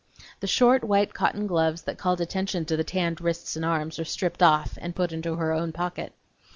The short white cotton gloves that called attention to the tanned wrist and arms were stripped off and put in her own pocket.